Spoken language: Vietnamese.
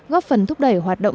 góp phần thúc đẩy hoạt động